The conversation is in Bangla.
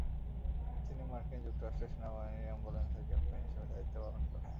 তিনি মার্কিন যুক্তরাষ্ট্রের সেনাবাহিনীর অ্যাম্বুলেন্সের ক্যাপ্টেন হিসেবে দায়িত্ব পালন করেন।